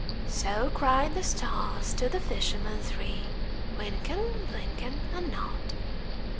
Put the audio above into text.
So cried the stars to the fishermen three, Wynken, Blynken, And Nod.